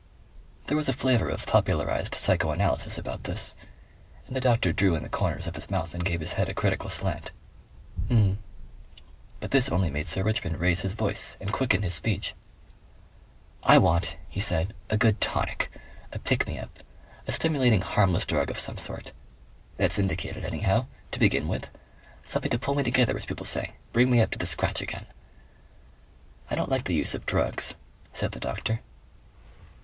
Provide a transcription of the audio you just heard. There was a flavour of popularized psychoanalysis about this, and the doctor drew in the corners of his mouth and gave his head a critical slant. "M'm." But this only made Sir Richmond raise his voice and quicken his speech. "I want," he said, "a good tonic. A pick me up, a stimulating harmless drug of some sort. That's indicated anyhow. To begin with. Something to pull me together, as people say. Bring me up to the scratch again." "I don't like the use of drugs," said the doctor.